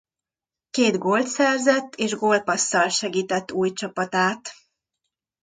Két gólt szerzett és gólpasszal segített új csapatát.